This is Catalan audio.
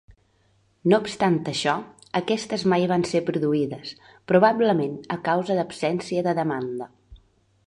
No obstant això, aquestes mai van ser produïdes, probablement a causa d'absència de demanda.